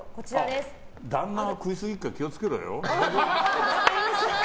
旦那は食いすぎだから気を付けろよ。